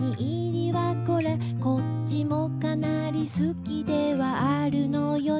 「こっちもかなり好きではあるのよね」